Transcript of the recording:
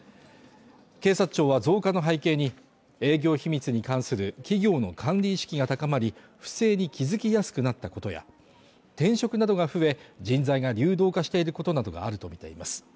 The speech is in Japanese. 警察庁は増加の背景に、営業秘密に関する企業の管理意識が高まり不正に気づきやすくなったことや、転職などが増え、人材が流動化していることなどがあるとみています。